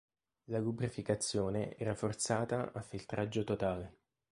La lubrificazione era forzata a filtraggio totale.